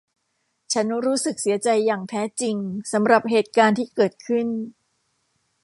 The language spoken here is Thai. ฉันรู้สึกเสียใจอย่างแท้จริงสำหรับเหตุการณ์ที่เกิดขึ้น